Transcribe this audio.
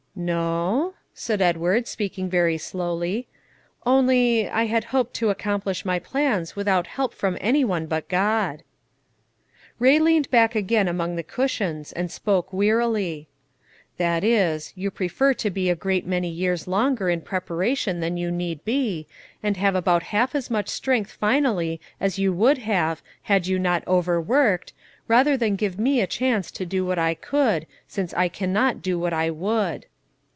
"No," said Edward, speaking very slowly; "only, I had hoped to accomplish my plans without help from any one but God." Ray leaned back again among the cushions, and spoke wearily, "That is, you prefer to be a great many years longer in preparation than you need be, and have about half as much strength finally as you would have, had you not overworked, rather than give me a chance to do what I could, since I cannot do what I would."